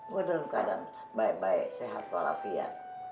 waduh kadang baik baik sehat walaupun